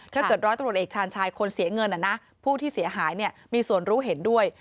ถ้าเกิดร้อยตำรวจเอกชาญชายคนเสียเงินผู้ที่เสียหายมีส่วนรู้เห็นด้วย